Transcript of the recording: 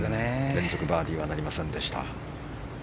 連続バーディーはなりませんでした。